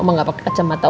oma gak pakai kacamata